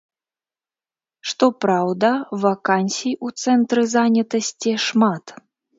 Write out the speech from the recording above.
Што праўда, вакансій у цэнтры занятасці шмат.